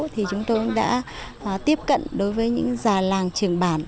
thì chúng tôi cũng đã tiếp cận đối với những già làng trường bản